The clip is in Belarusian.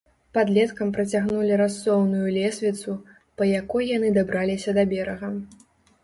Падлеткам працягнулі рассоўную лесвіцу, па якой яны дабраліся да берага.